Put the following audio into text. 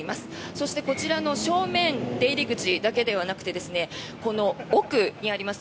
そして、こちらの正面出入り口だけではなくてこの奥にあります